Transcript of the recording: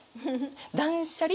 断捨離？